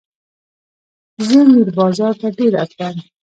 زه میر بازار ته ډېر راتلم.